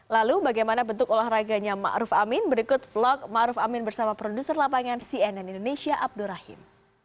lalu bagaimana bentuk olahraganya ma'ruf amin berikut vlog ma'ruf amin bersama produser lapangan cnn indonesia abdurrahim